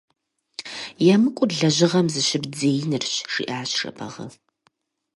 ЕмыкӀур лэжьыгъэм зыщыбдзеинырщ, – жиӀащ Жэбагъы.